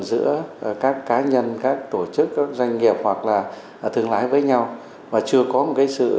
giữa các cá nhân các tổ chức các doanh nghiệp hoặc là thương lái với nhau và chưa có một cái sự